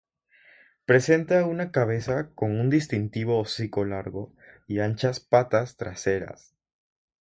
Presenta una cabeza con un distintivo hocico largo y anchas patas traseras.